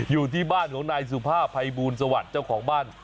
อยู่ที่บ้านของนายสุภาพภัยบูลสวัสดิ์เจ้าของบ้าน